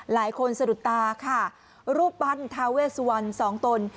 หลายคนสะดุดตาค่ะรูปปั้นทาเวสวรรค์๒ตน